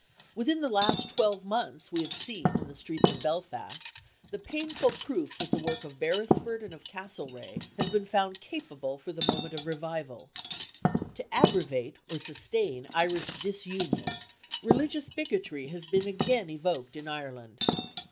Within the last twelve months we have seen, in the streets of Belfast, the painful proof that the work of Beresford and of Castlereagh has been found capable for the moment of revival. To aggravate or sustain Irish disunion, religious bigotry has been again evoked in Ireland.